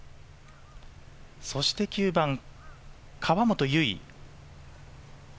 そして９番、河本結。